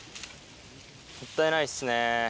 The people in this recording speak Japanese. もったいないですね。